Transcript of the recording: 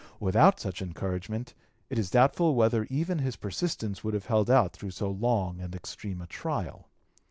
Without such encouragement it is doubtful whether even his persistence would have held out through so long and extreme a trial.